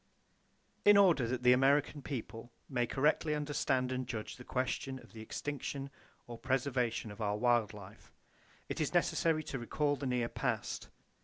In order that the American people may correctly understand and judge the question of the extinction or preservation of our wild life, it is necessary to recall the near past.